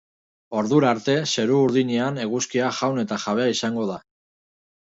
Ordura arte, zeru urdinean eguzkia jaun eta jabe izango da.